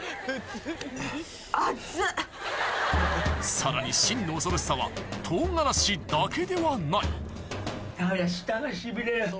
さらに真の恐ろしさは唐辛子だけではないダメだ。